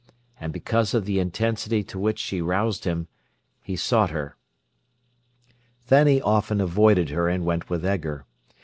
And because of the intensity to which she roused him, he sought her. Then he often avoided her and went with Edgar.